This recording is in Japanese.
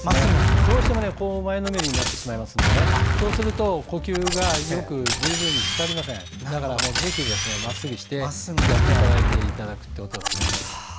どうしても前のめりになってしまいますのでそうすると呼吸が十分に伝わりませんのでまっすぐにしてやっていただくのがいいです。